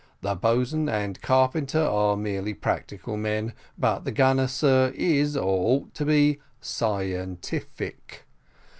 The boatswain and carpenter are merely practical men; but the gunner, sir, is, or ought to be, scientific.